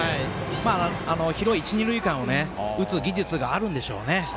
広い一、二塁間を打つ技術があるんでしょうね。